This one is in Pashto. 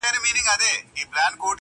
یوه شمع به ختمېږي خو بلېږي به سل نوري -